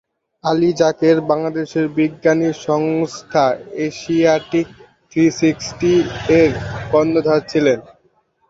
আলী যাকের বাংলাদেশের বিজ্ঞাপনী "সংস্থা এশিয়াটিক থ্রিসিক্সটি"-র কর্ণধার ছিলেন।